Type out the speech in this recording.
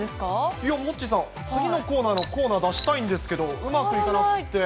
いや、モッチーさん、次のコーナーのコーナー出したいんですけど、うまくいかなくって。